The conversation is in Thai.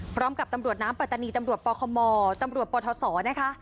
พร้อมกับตำรวจน้ำปัตตานีตำรวจปคมตำรวจปทศนะคะ